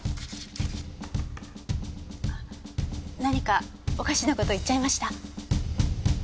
何かおかしな事言っちゃいました？